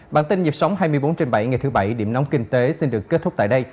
bản tin nhịp sống hai mươi bốn trên bảy ngày thứ bảy điểm nóng kinh tế xin được kết thúc tại đây